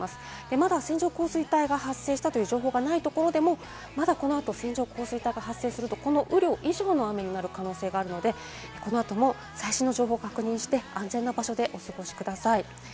まだ線状降水帯が発生したという情報がないところでもこの後、線状降水帯が発生すると、この雨量以上の雨になる可能性があるので、この後も最新の情報を確認して安全な場所でお過ごしください。